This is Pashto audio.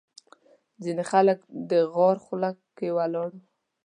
ځینې خلک د غار خوله کې ولاړ وو.